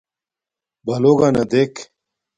بلݸگَنݳ دݵک.